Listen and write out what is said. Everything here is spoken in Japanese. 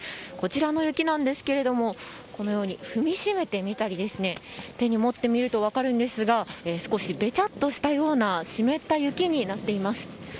こちらの雪なんですけれども踏みしめてみたり手に持ってみると分かるんですが少しべチャッとしたような湿った雪になっています。